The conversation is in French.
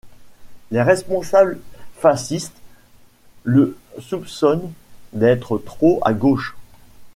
Les responsables fascistes le soupçonnent d'être trop à gauche.